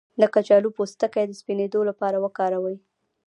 د کچالو پوستکی د سپینیدو لپاره وکاروئ